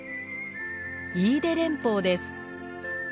飯豊連峰です。